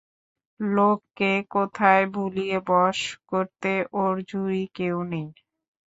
লোককে কথায় ভুলিয়ে বশ করতে ওর জুড়ি কেউ নেই।